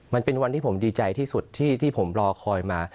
มันเป็นวันที่ผมดีใจที่สุดที่ผมรอคอยมา